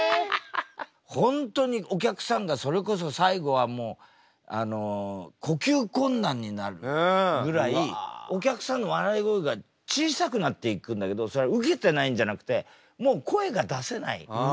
本当にお客さんがそれこそ最後はもう呼吸困難になるぐらいお客さんの笑い声が小さくなっていくんだけどそれはウケてないんじゃなくてもう声が出せない。